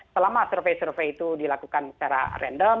selama survei survei itu dilakukan secara random